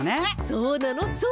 そうなの？